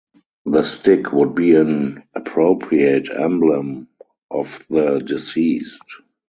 The stick would be an appropriate emblem of the deceased.